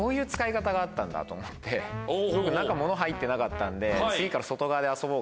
僕中物入ってなかったんで。